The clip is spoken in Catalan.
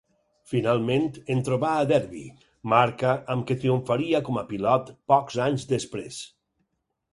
Finalment, en trobà a Derbi, marca amb què triomfaria com a pilot pocs anys després.